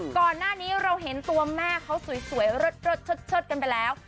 ก่อนหน้านี้เราเห็นตัวแม่เขาสวยเลิศเชิดกันไปแล้ว